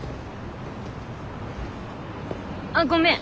あっごめん。